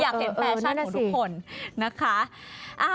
ของทุกคนนะคะ